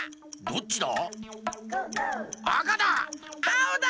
どっちだ？